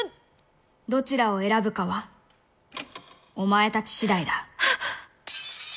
どちらを選ぶかはお前たち次第だ。